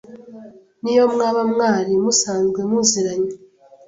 n’iyo mwaba mwari musanzwe muziranye